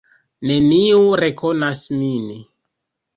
Neniu rekonas min.